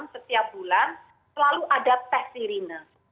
dua puluh enam setiap bulan selalu ada pet sirine